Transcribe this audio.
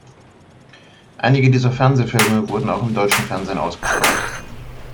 Einige dieser Fernsehfilme wurden auch im deutschen Fernsehen ausgestrahlt.